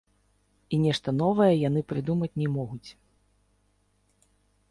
І нешта новае яны прыдумаць не могуць.